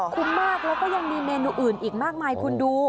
คุ้มมากแล้วก็ยังมีเมนูอื่นอีกมากมายคุณดู